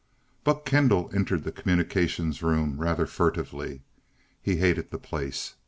XI Buck Kendall entered the Communications room rather furtively. He hated the place.